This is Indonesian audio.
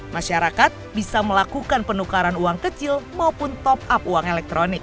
masyarakat bisa melakukan penukaran uang kecil maupun top up uang elektronik